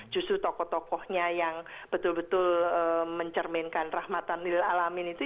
justru tokoh tokohnya yang betul betul mencerminkan rahmatan lil'alamin itu